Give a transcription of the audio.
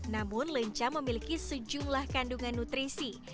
namun lenca memiliki sejumlah kandungan nutrisi